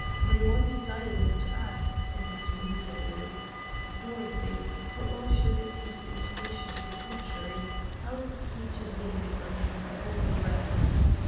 My one desire was to act, and that immediately. Dorothy, for all Gilbertine's intimation to the contrary, held the key to the enigma in her own breast.